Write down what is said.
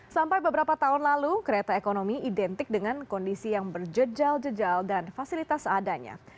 sampai beberapa tahun lalu kereta ekonomi identik dengan kondisi yang berjejal jejal dan fasilitas seadanya